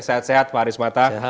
sehat sehat pak anies mata